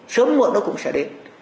sớm muộn nó cũng sẽ đến